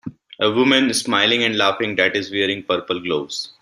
A woman smiling and laughing that is wearing purple gloves.